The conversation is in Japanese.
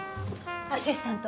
アシスタント。